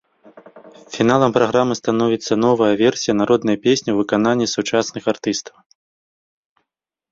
Фіналам праграмы становіцца новая версія народнай песні ў выкананні сучасных артыстаў.